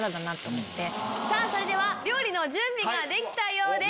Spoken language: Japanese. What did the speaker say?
それでは料理の準備ができたようです。